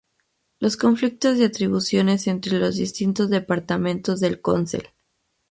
Los conflictos de atribuciones entre los distintos departamentos del Consell.